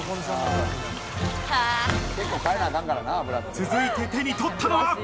続いて手に取ったのは。